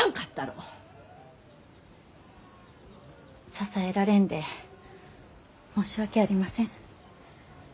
支えられんで申し訳ありません。